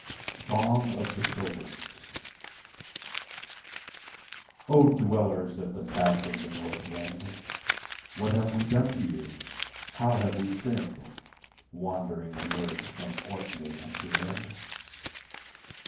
Song of the Pilgrims O Dwellers at the back of the North Wind, What have we done to you? How have we sinned Wandering the Earth from Orkney unto Ind?